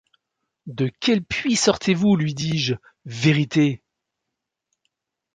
De quel puits sortez-vous, lui dis-je, Vérité ?